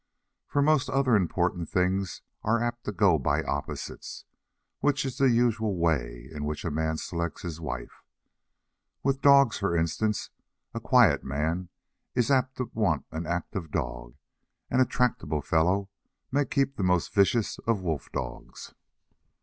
For most other important things are apt to go by opposites, which is the usual way in which a man selects his wife. With dogs, for instance a quiet man is apt to want an active dog, and a tractable fellow may keep the most vicious of wolf dogs.